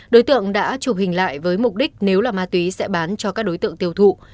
đối tượng đã chụp hình lại với mục đích nếu là ma túy sẽ bán cho các đối tượng tiêu thụ